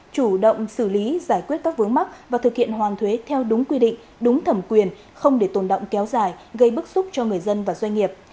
chủ động xử lý giải quyết các vướng mắc và thực hiện hoàn thuế theo đúng quy định đúng thẩm quyền không để tồn động kéo dài gây bức xúc cho người dân và doanh nghiệp